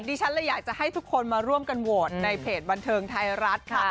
ดิฉันเลยอยากจะให้ทุกคนมาร่วมกันโหวตในเพจบันเทิงไทยรัฐค่ะ